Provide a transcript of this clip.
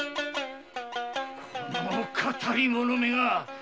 この騙り者めが！